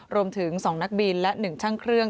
รวมถึง๒นักบินและ๑ช่างเครื่อง